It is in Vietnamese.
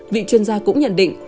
vị chuyên gia cũng nhận định